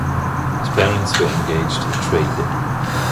His parents were engaged in trade.